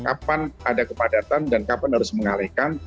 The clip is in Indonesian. kapan ada kepadatan dan kapan harus mengalihkan